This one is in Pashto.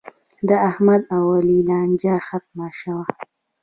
د احمد او علي لانجه ختمه شوه.